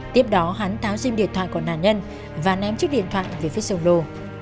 tiếp đó hắn tháo xin điện thoại của nạn nhân và ném chiếc điện thoại về phía sông lô